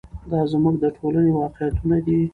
دا زموږ د ټولنې واقعیتونه دي.